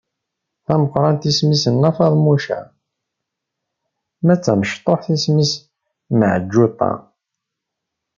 Tameqrant isem-is Nna Feḍmuca, ma d tamecṭuḥt isem-is Meɛǧuṭa.